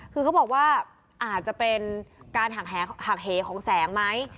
คือเขาบอกว่าอาจจะเป็นการหักเหของแสงไหม